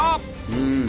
うん。